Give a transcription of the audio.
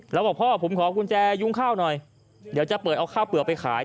แล้วบอกพ่อผมขอกุญแจยุงข้าวหน่อยเดี๋ยวจะเปิดเอาข้าวเปลือกไปขาย